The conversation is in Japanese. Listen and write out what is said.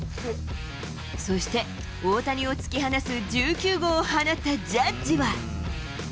そして、大谷を突き放す１９号を放ったジャッジは。